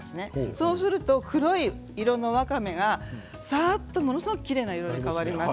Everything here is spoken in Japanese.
そうすると黒い色のわかめがさっとものすごくきれいな色に変わります。